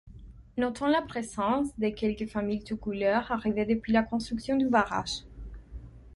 Notons la présence de quelques familles toucouleurs arrivées depuis la construction du barrage.